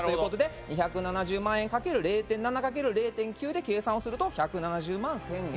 ２７０万円掛ける０．７掛ける０．９で計算をすると１７０万１０００円。